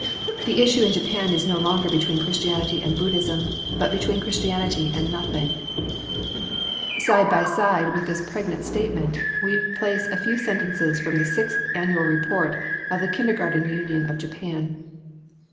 The issue in Japan is no longer between Christianity and Buddhism, but between Christianity and nothing." [Sidenote: Kindergarten children in after life.] Side by side with this pregnant statement we place a few sentences from the Sixth Annual Report of the Kindergarten Union of Japan.